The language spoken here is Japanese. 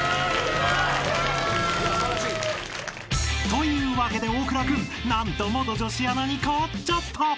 ［というわけで大倉君何と元女子アナに勝っちゃった］